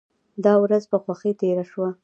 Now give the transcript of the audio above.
دا ورځ په خوښۍ تیره شوه.